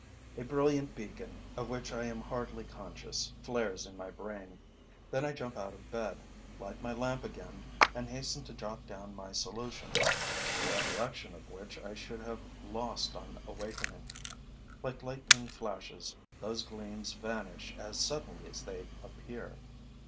A brilliant beacon, of which I am hardly conscious, flares in my brain. Then I jump out of bed, light my lamp again and hasten to jot down my solutions, the recollection of which I should have lost on awakening. Like lightning flashes, those gleams vanish as suddenly as they appear.